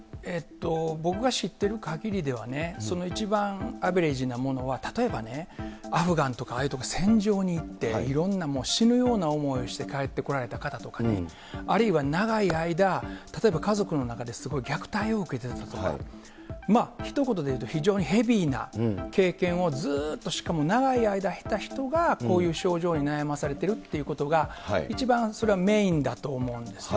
僕が知ってるかぎりではね、一番アベレージなものは、例えばね、アフガンとかああいう所、戦場に行って、いろんな死ぬような思いをして帰ってこられた方とかね、あるいは長い間、例えば家族の中ですごい虐待を受けてたとか、ひと言で言うと非常にヘビーな経験をずっと、しかも長い間経た人が、こういう症状に悩まされているということが、一番それはメインだと思うんですよ。